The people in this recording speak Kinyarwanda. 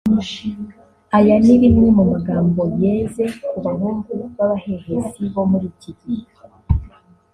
Aya ni rimwe mu magambo yeze ku bahungu babahehesi bo muri iki gihe